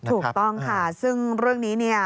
ถูกต้องค่ะซึ่งเรื่องนี้เนี่ย